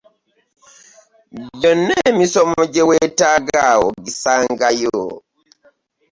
Gyonna emisomo gye weetaaga ogisangayo.